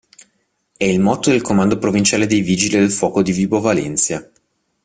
È il motto del Comando Provinciale dei Vigili del Fuoco di Vibo Valentia.